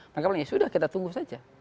mereka bilang ya sudah kita tunggu saja